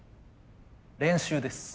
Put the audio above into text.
練習です。